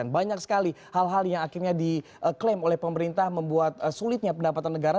banyak sekali hal hal yang akhirnya diklaim oleh pemerintah membuat sulitnya pendapatan negara